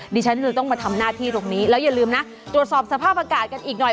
ดิฉันจะต้องมาทำหน้าที่ตรงนี้แล้วอย่าลืมนะตรวจสอบสภาพอากาศกันอีกหน่อย